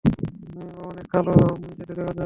হুম, ও অনেক কালো, যেতে দেওয়া জন্য।